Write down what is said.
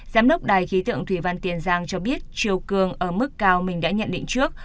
giám đốc đài khí tượng thủy văn tiền giang cho biết chiều cường ở mức cao mình đã nhận định trước